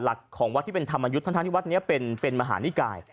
หลักของวัดที่เป็นธรรมยุทธ์ทั้งที่วัดนี้เป็นมหานิกาย